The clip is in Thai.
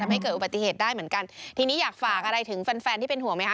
ไม่เกิดอุบัติเหตุได้เหมือนกันทีนี้อยากฝากอะไรถึงแฟนแฟนที่เป็นห่วงไหมค